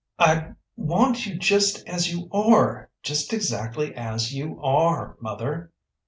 "I want you just as you are, just exactly as you are, mother."